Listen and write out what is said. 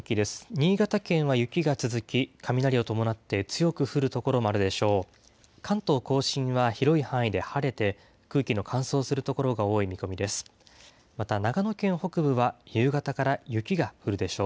新潟県は雪が続き、雷を伴って強く降る所もあるでしょう。